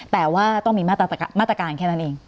แต่ว่าต้องมีมาตรการแค่นั้นเอง